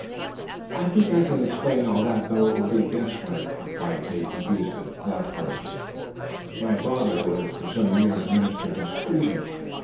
"I think I can explain all that, though it will be but guess work," replied Daisy Huston, thoughtfully. "My father was for some years minister to Sweden.